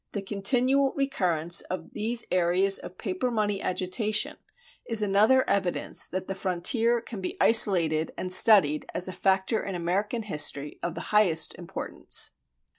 The continual recurrence of these areas of paper money agitation is another evidence that the frontier can be isolated and studied as a factor in American history of the highest importance.